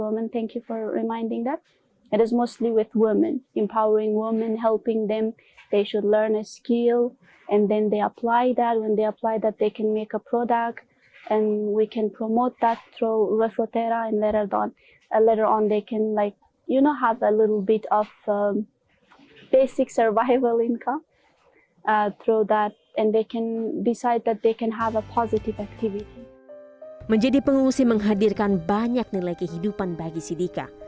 menjadikan pengungsi menghadirkan banyak nilai kehidupan bagi siddika